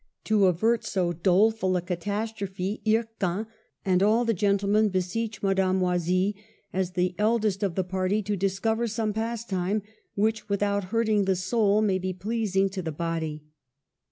To avert so doleful a catastrophe, Flircan and all the gentlemen beseech Madame Oisille, as the eldest of the party, to discover some pastime which, without hurting the soul, may be pleasing to the body.